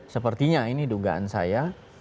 sepertinya ini dugaan saya